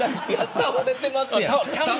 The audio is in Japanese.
倒れてますやん。